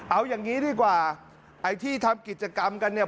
เอาอย่างนี้ดีกว่าไอ้ที่ทำกิจกรรมกันเนี่ย